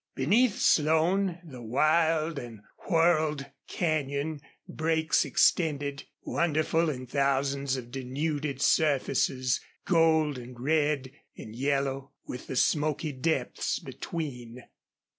Beneath Slone the wild and whorled canyon breaks extended, wonderful in thousands of denuded surfaces, gold and red and yellow, with the smoky depths between.